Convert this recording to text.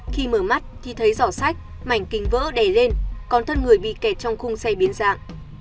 khi mở mắt thì thấy giỏ sách mảnh kính vỡ đè lên con thân người bị kẹt trong khung xe biến dạng